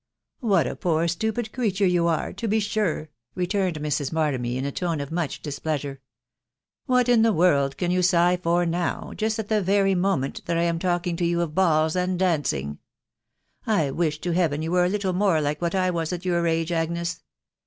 " What a poor stupid creature you are, to be sure !" re turned Mrs. Barnaby in a tone of much displeasure. " What in the world can you sigh for now, just at the very moment that I am talking to you of balls and dancing ? I wish to Heaven you were a little more like what I was at your age, Agnes